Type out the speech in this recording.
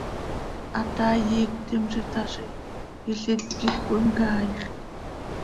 Hataai iictim z itaazi, ilít quij cöimcaaix.